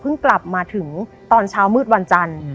กลับมาถึงตอนเช้ามืดวันจันทร์